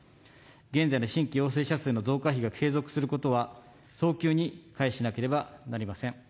現在の新規陽性者数の増加比が継続することは、早急に回避しなければなりません。